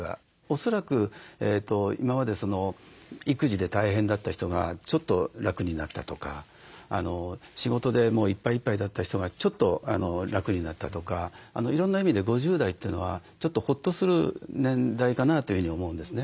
恐らく今まで育児で大変だった人がちょっと楽になったとか仕事でいっぱいいっぱいだった人がちょっと楽になったとかいろんな意味で５０代というのはちょっとほっとする年代かなというふうに思うんですね。